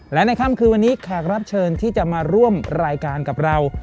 และในค่ำคืนวันนี้แขกรับเชิญที่จะมาร่วมรายการกับเรา